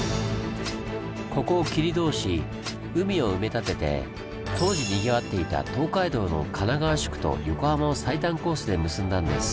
ここを切り通し海を埋め立てて当時にぎわっていた東海道の神奈川宿と横浜を最短コースで結んだんです。